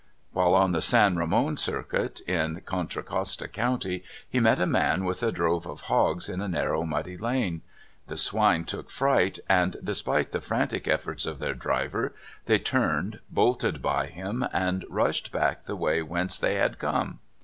While on the San Ramon Circuit, in Contra Costa County, he met a man with a drove of hogs in a narrow, muddy lane. The swdne took fright, and, despite the frantic efforts of their driver, they turned, bolted by him, and rushed back the way w^hence they had come.